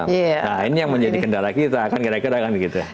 nah ini yang menjadi kendala kita akan kira kira